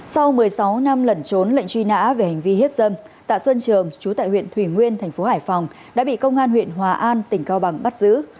sau một mươi sáu năm lẩn trốn lệnh truy nã về hành vi hiếp dâm tại xuân trường trú tại huyện thủy nguyên tp hải phòng đã bị công an huyện hòa an tỉnh cao bằng bắt giữ